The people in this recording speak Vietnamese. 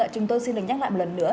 chúng tôi xin đồng nhắc lại một lần nữa